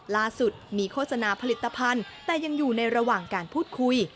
ล่าสุดมีโฆษณาผลิตภัณฑ์แต่ยังอยู่ในระหว่างการพูดคุย